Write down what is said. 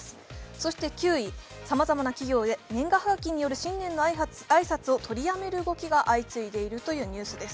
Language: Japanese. そして９位、さまざまな企業で年賀はがきによる新年の挨拶を取りやめる動きが相次いでいるというニュースです。